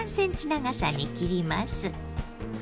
長さに切ります。